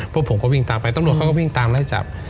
พวกผมก็วิ่งตามไปตำรวจเขาก็วิ่งตามไล่จับ